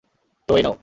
তো, এই নাও।